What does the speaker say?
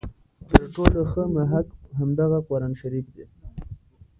تر ټولو ښه محک همدغه قرآن شریف دی.